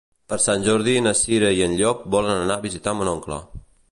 Per Sant Jordi na Cira i en Llop volen anar a visitar mon oncle.